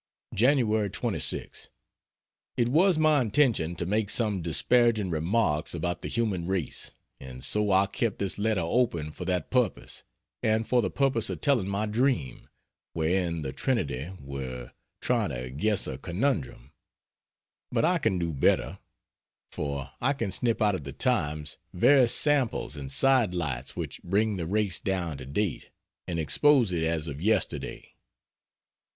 Jan. 26. It was my intention to make some disparaging remarks about the human race; and so I kept this letter open for that purpose, and for the purpose of telling my dream, wherein the Trinity were trying to guess a conundrum, but I can do better for I can snip out of the "Times" various samples and side lights which bring the race down to date, and expose it as of yesterday.